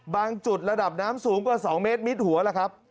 จุดระดับน้ำสูงกว่า๒เมตรมิดหัวล่ะครับ